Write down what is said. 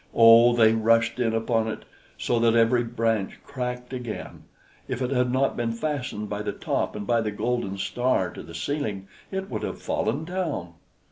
Oh! they rushed in upon it, so that every branch cracked again: if it had not been fastened by the top and by the golden star to the ceiling, it would have fallen down.